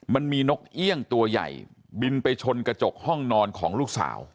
มันมีนกเอี่ยงตัวใหญ่บินไปชนกระจกห้องนอนของลูกสาว